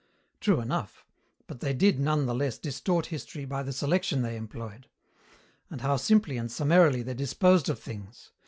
True enough, but they did none the less distort history by the selection they employed. And how simply and summarily they disposed of things!